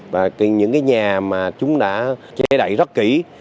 và những nhà mà chúng đã chế đậy rất kỹ